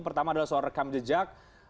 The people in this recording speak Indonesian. pertama adalah soal rekam jejak